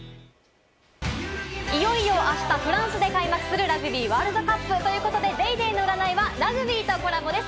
いよいよあした、フランスで開幕するラグビーワールドカップということで『ＤａｙＤａｙ．』の占いはラグビーとコラボです。